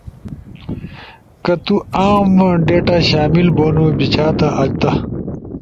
کہ تو عاام ڈیٹا شامل بونو بیچھاتا، آج دا